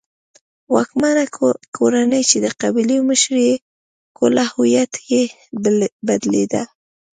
واکمنه کورنۍ چې د قبیلو مشري یې کوله هویت یې بدلېده.